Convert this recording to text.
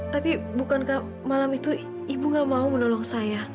tapi bukankah malam itu ibu gak mau menolong saya